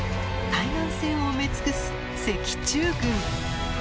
海岸線を埋め尽くす石柱群。